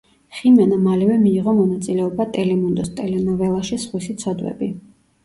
ხიმენა მალევე მიიღო მონაწილეობა ტელემუნდოს ტელენოველაში „სხვისი ცოდვები“.